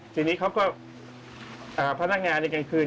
ทีนี้เขาก็พนักงานในกลางคืน